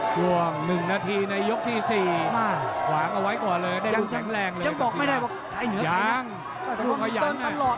ซึกสมองเหลี่ยมขายเร็วพลบ